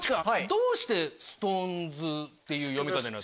どうしてストーンズっていう読み方？